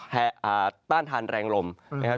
ต้านทานแรงลมนะครับ